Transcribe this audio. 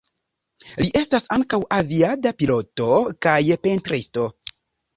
Li estas ankaŭ aviada piloto kaj pentristo.